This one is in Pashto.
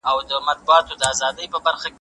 پوهان وايي چي څېړونکی باید د خرافاتو ښکار نسي.